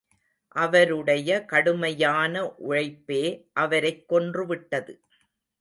அவருடைய கடுமையான உழைப்பே அவரைக் கொன்றுவிட்டது.